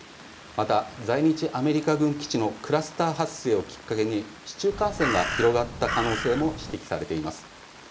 また在日アメリカ軍基地でのクラスター発生をきっかけに市中感染が広がった可能性も指摘されています。